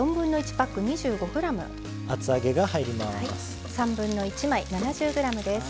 厚揚げが入ります。